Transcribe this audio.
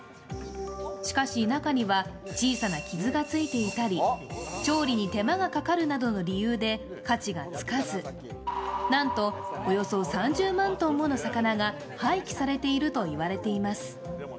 しかし、中には小さな傷がついていたり、調理に手間がかかるなどの理由で価値がつかずなんとおよそ３０万トンもの魚が廃棄されていると言われています。